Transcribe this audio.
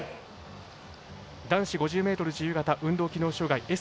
男子５０ｍ自由形運動機能障がいＳ４。